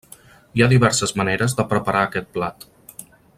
Hi ha diverses maneres de preparar aquest plat.